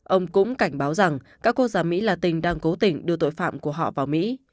ông cũng cảnh báo rằng các quốc gia mỹ latin đang cố tình đưa tội phạm của họ vào mỹ